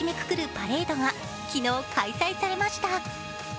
パレードが昨日、開催されました。